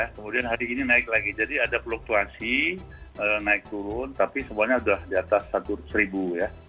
kemudian hari ini naik lagi jadi ada fluktuasi naik turun tapi semuanya sudah di atas satu ya